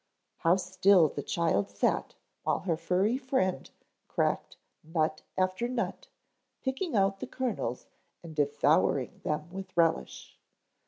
How still the child sat while her furry friend cracked nut after nut, picking out the kernels and devouring them with relish.